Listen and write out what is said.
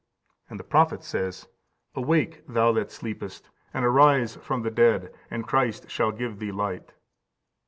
And the prophet says, "Awake, thou that sleepest, and arise from the dead, and Christ shall give thee light."